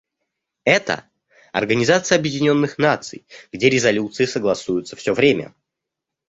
Это — Организация Объединенных Наций, где резолюции согласуются все время.